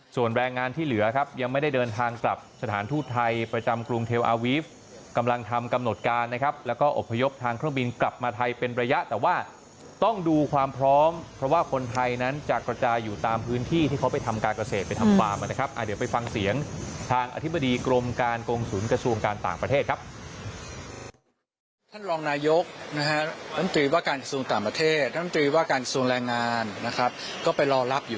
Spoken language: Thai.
ส่วนแรงงานที่เหลือครับยังไม่ได้เดินทางกลับสถานทูตไทยประจำกรุงเทลอาวีฟกำลังทำกำหนดการนะครับแล้วก็อบพยพทางเครื่องบินกลับมาไทยเป็นระยะแต่ว่าต้องดูความพร้อมเพราะว่าคนไทยนั้นจะกระจายอยู่ตามพื้นที่ที่เขาไปทำการเกษตรไปทำฟาร์มนะครับเดี๋ยวไปฟังเสียงทางอธิบดีกรมการกงศูนย์กระทรวงการต่างประเทศครับ